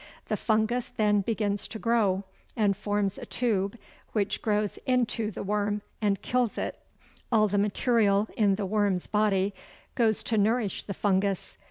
The fungus then begins to grow, and forms a tube which grows into the worm and kills it. All the material in the worm's body goes to nourish the fungus.